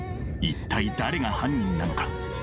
一体誰が犯人なのか。